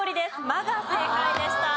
「ま」が正解でした。